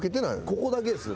ここだけです。